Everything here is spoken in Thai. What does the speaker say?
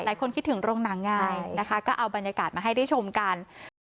คิดถึงโรงหนังง่ายนะคะก็เอาบรรยากาศมาให้ได้ชมกัน